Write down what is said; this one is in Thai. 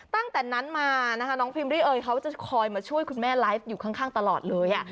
ตั้งแต่นั้นมานะคะน้องพิมรี่เอยเขาจะคอยมาช่วยคุณแม่ไลฟ์อยู่ข้างตลอดเลย